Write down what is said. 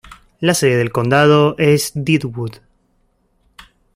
La sede del condado es Deadwood.